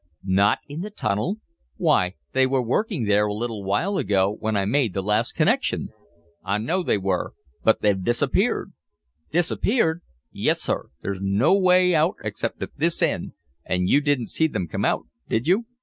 "Not in the tunnel? Why, they were working there a little while ago, when I made the last connection!" "I know they were, but they've disappeared." "Disappeared?" "Yis sir. There's no way out except at this end an' you didn't see thim come out: did you?"